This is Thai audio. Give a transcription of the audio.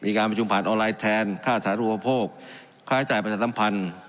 มีการประชุมผ่านออนไลน์แทนค่าสาธุปโภคค่าใช้จ่ายประชาสัมพันธ์